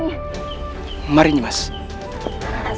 kita menemukannya mari mas